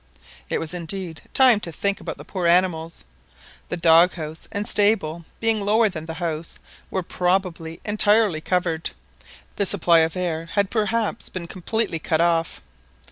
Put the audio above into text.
It was indeed time to think about the poor animals. The dog house and stable being lower than the house were probably entirely covered, and the supply of air had perhaps been completely cut off.